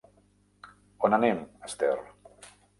On anem, Esther?